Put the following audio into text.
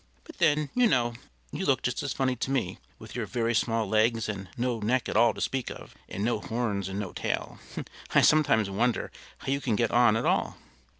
But then, you know, you look just as funny to me, with your very small legs and no neck at all to speak of, and no horns and no tail; I sometimes wonder how you can get on at all.